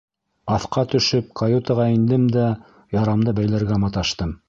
Аҫҡа төшөп, каютаға индем дә ярамды бәйләргә маташтым.